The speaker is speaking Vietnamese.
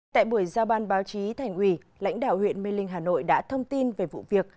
tại buổi giao ban báo chí thành ủy lãnh đạo huyện mê linh hà nội đã thông tin về vụ việc